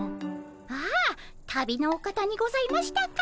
ああ旅のお方にございましたか。